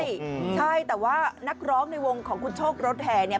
ใช่ใช่แต่ว่านักร้องในวงของคุณโชครถแห่เนี่ย